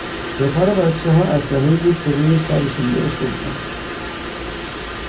سپر بچهها اسلحهای بود که رو سرشون گرفته بودن